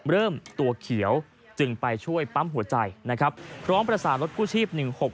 ตัวเขียวจึงไปช่วยปั๊มหัวใจนะครับพร้อมประสานรถกู้ชีพ๑๖๖